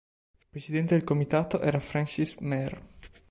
Presidente del Comitato era Francis Mer.